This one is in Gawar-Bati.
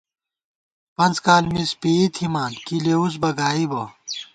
پنڅ کال مِز پېئی تھِمان ، کی لېوُس بہ گائیبہ